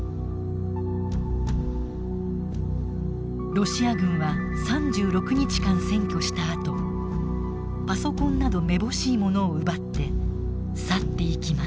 ロシア軍は３６日間占拠したあとパソコンなどめぼしいものを奪って去っていきました。